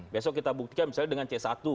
besok kita buktikan misalnya dengan c satu